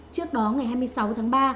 trước đó ngày hai mươi sáu tháng ba